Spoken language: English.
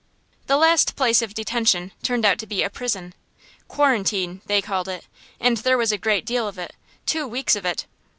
This last place of detention turned out to be a prison. "Quarantine" they called it, and there was a great deal of it two weeks of it.